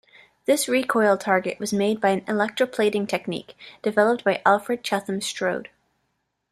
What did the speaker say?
This recoil target was made by an electroplating technique, developed by Alfred Chetham-Strode.